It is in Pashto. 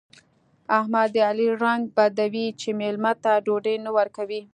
احمد د علي رنګ بدوي چې مېلمانه ته ډوډۍ نه ورکوي.